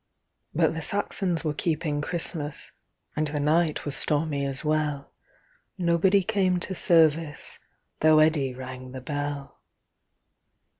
But the Saxons were keeping Christmas, And the night was stormy as well. Nobody came to service, Though Eddi rang the bell.